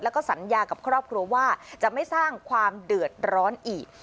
แล้วก็สัญญากับครอบครัวว่าจะไม่สร้างความเดือดร้อนอีก